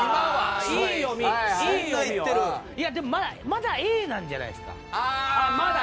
いやでもまだＡなんじゃないですか？